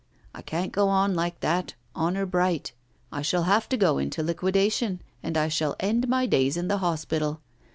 I can't go on like that, honour bright; I shall have to go into liquidation, and I shall end my days in the hospital.